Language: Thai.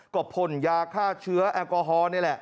ก็พ่นยาฆ่าเชื้อแอลกอฮอลนี่แหละ